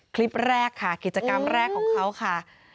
คลิปแรกค่ะกิจกรรมแรกของเขาค่ะ